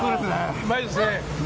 うまいですね！